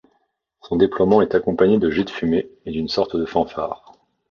Son déploiememt est accompagné de jets de fumée et d'une sorte de fanfare.